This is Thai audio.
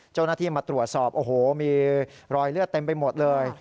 เจ้าหน้าที่มาตรวจสอบโอ้โหมีรอยเลือดเต็มไปหมดเลย